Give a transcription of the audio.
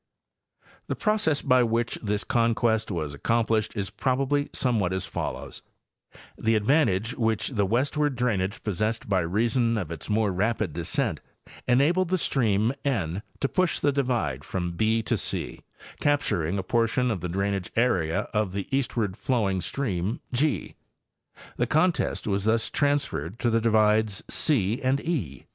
The process by which this conquest was accomplished is prob ably somewhat as follows: The advantage which the westward drainage possessed by reason of its more rapid descent enabled the stream N to push the divide from 0 to c, capturing a portion of the drainage area of the eastward flowing stream G. The contest was thus transferred to the divides cande.